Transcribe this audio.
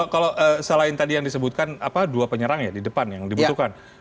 kalau selain tadi yang disebutkan dua penyerang ya di depan yang dibutuhkan